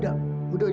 jodohin baik apa doang